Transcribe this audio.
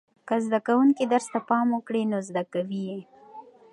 که زده کوونکي درس ته پام وکړي نو زده یې کوي.